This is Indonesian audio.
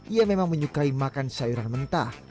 ia memang menyukai makan sayuran mentah